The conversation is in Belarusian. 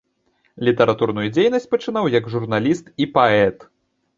Літаратурную дзейнасць пачынаў як журналіст і паэт.